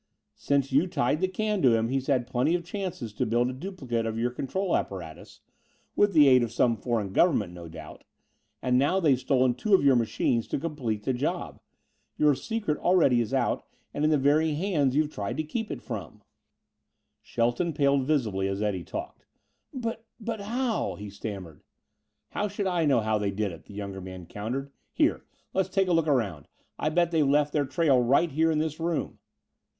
Since you tied the can to him he's had plenty of chances to build a duplicate of your control apparatus with the aid of some foreign government, no doubt and now they've stolen two of your machines to complete the job. Your secret already is out and in the very hands you've tried to keep it from." Shelton paled visibly as Eddie talked. "But but how " he stammered. "How should I know how they did it?" the younger man countered. "Here let's take a look around. I'll bet they've left their trail right here in this room."